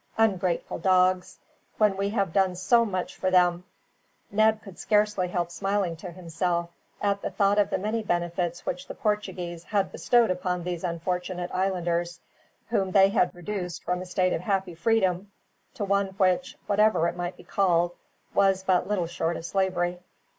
Ungrateful dogs! When we have done so much for them!" Ned could scarcely help smiling to himself, at the thought of the many benefits which the Portuguese had bestowed upon these unfortunate islanders, whom they had reduced from a state of happy freedom to one which, whatever it might be called, was but little short of slavery.